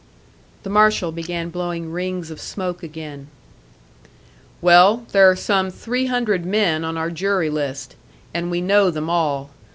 The marshal began blowing rings of smoke again. "Well, there are some three hundred men on our jury list, and we know them all.